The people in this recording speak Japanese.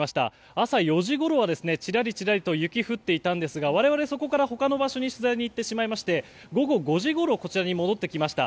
朝４時ごろはちらりちらりと雪、降っていたんですが我々、そこから他の場所に取材に行って午後５時ごろこちらに戻ってきました。